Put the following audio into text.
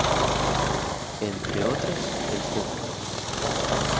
Entre otras, el Pbro.